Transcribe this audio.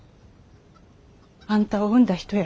あんたを産んだ人や。